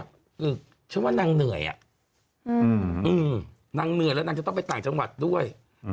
คือฉันว่านางเหนื่อยนางเหนื่อยแล้วนางจะต้องไปต่างจังหวัดด้วย